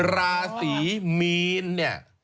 ราศีมีนเนี่ย